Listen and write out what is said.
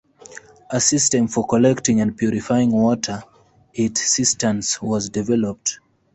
A system for collecting and purifying water in cisterns was developed.